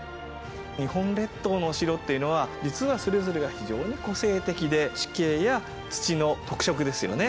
日本列島のお城というのは実はそれぞれが非常に個性的で地形や土の特色ですよね